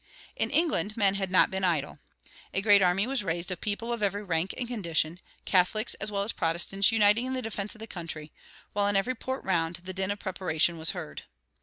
In England men had not been idle. A great army was raised of people of every rank and condition, Catholics as well as Protestants uniting in the defense of the country; while in every port round, the din of preparation was heard.